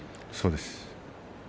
そうです。